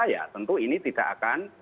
ya tentu ini tidak akan